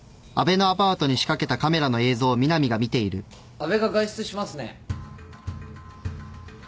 阿部が外出しますね。